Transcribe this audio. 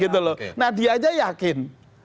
dia saja yakin